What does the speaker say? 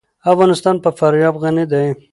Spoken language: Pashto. افغانستان په فاریاب غني دی.